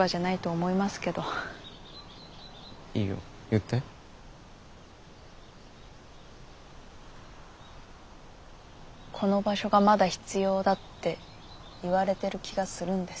この場所がまだ必要だって言われてる気がするんです。